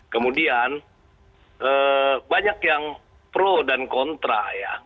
kemudian banyak yang pro dan kontra ya